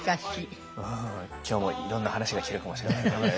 今日もいろんな話が聞けるかもしれませんね。